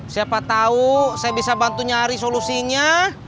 siapa tahu saya bisa bantu nyari solusinya